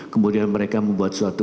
kemudian mereka membuat suatu